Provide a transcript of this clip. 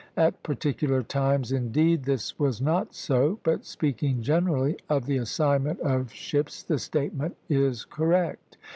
At particular times, indeed, this was not so; but speaking generally of the assignment of ships, the statement is correct.